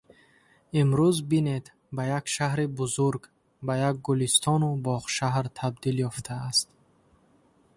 Имрӯз бинед, ба як шаҳри бузург, ба як гулистону боғшаҳр табдил ёфтааст.